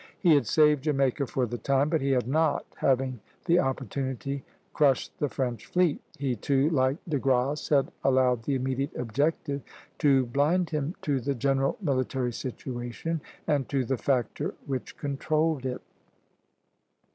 He had saved Jamaica for the time; but he had not, having the opportunity, crushed the French fleet. He too, like De Grasse, had allowed the immediate objective to blind him to the general military situation, and to the factor which controlled it.